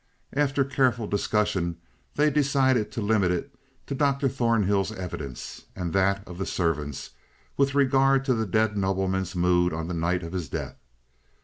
After careful discussion they decided to limit it to Dr. Thornhill's evidence, and that of the servants with regard to the dead nobleman's mood on the night of his death.